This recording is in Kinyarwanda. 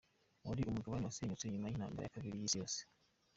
Wari umugabane wasenyutse nyuma y’Intambara ya Kabiri y’Isi yose.